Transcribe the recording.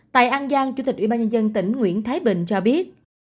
tại an giang chủ tịch ủy ban nhân dân tỉnh nguyễn thái bình cho biết